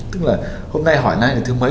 tức là hôm nay hỏi nay là thứ mấy